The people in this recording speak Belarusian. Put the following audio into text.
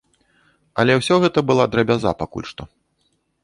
Але ўсё гэта была драбяза пакуль што.